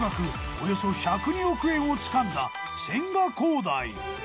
およそ１０２億円をつかんだ千賀滉大。